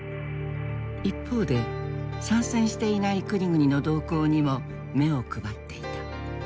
一方で参戦していない国々の動向にも目を配っていた。